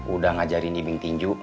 udah ngajarin iming tinju